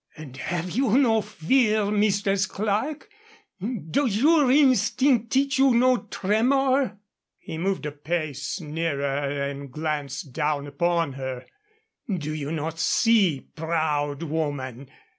"And have you no fear, Mistress Clerke? Does your instinct teach you no tremor?" He moved a pace nearer and glanced down upon her. "Do you not see, proud woman?